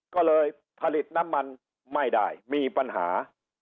ก็เลยผลิตน้ำมันไม่ได้มีปัญหา